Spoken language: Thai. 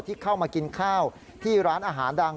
ที่เข้ามากินข้าวที่ร้านอาหารดัง